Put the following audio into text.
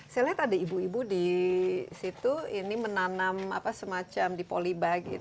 saya lihat ada ibu ibu disitu ini menanam semacam di poliba gitu